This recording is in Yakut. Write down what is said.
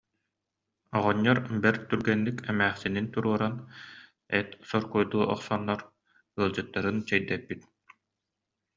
Оҕонньор бэрт түргэнник эмээхсинин туруоран, эт соркуойдуу охсоннор, ыалдьыттарын чэйдэппит